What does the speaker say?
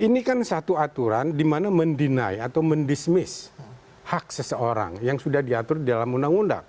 ini kan satu aturan dimana mendenai atau mendismiss hak seseorang yang sudah diatur di dalam undang undang